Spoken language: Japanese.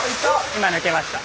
今抜けました。